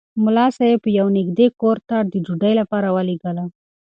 ملا صاحب ما یو نږدې کور ته د ډوډۍ لپاره ولېږلم.